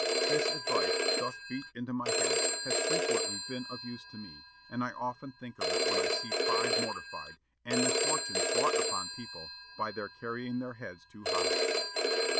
This advice, thus beat into my head, has frequently been of use to me, and I often think of it when I see pride mortified, and misfortunes brought upon people by their carrying their heads too high."